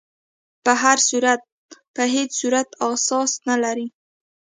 په هر صورت په هیڅ صورت اساس نه لري.